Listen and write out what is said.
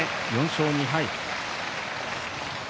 ４勝２敗。